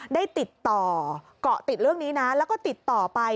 ได้ติดต่อเกาะติดเรื่องนี้นะแล้วก็ติดต่อไป